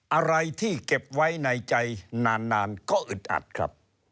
อะไรที่เก็บไว้ในใจนานก็อึดอัดครับ